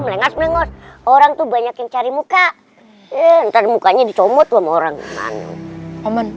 mengas mengos orang tuh banyak yang cari muka entar mukanya dicomot orang orang